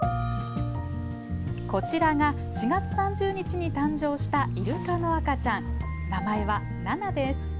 こちらが４月３０日に誕生したいるかの赤ちゃん名前はナナです。